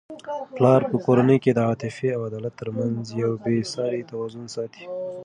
پلار په کورنی کي د عاطفې او عدالت ترمنځ یو بې سارې توازن ساتي.